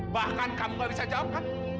bahkan kamu tidak bisa jawab pak